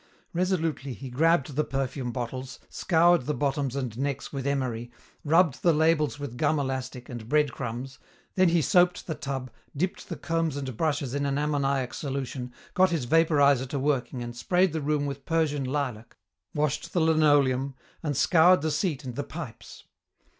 Resolutely he grabbed the perfume bottles, scoured the bottoms and necks with emery, rubbed the labels with gum elastic and bread crumbs, then he soaped the tub, dipped the combs and brushes in an ammoniac solution, got his vapourizer to working and sprayed the room with Persian lilac, washed the linoleum, and scoured the seat and the pipes.